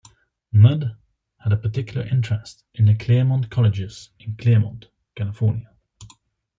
Mudd had a particular interest in The Claremont Colleges in Claremont, California.